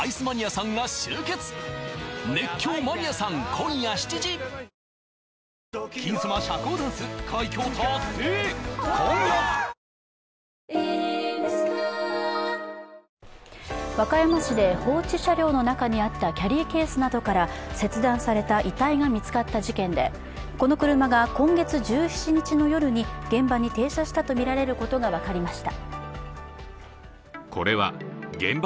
こういった事件の背景に一体どんなことがあるのか、和歌山市で放置車両の中にあったキャリーケースの中から切断された遺体が見つかった事件で、この車が今月１７日の夜に現場に停車したとみられることが分かりました。